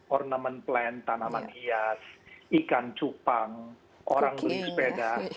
ornament plant tanaman hias ikan cupang orang beli sepeda